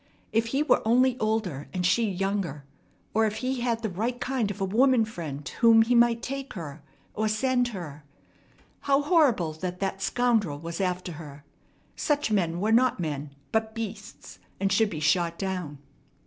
If he were only older and she younger, or if he had the right kind of a woman friend to whom he might take her, or send her! How horrible that that scoundrel was after her! Such men were not men, but beasts, and should be shot down.